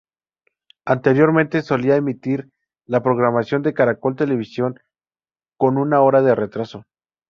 Anteriormente solía emitir la programación de Caracol Televisión con una hora de retraso.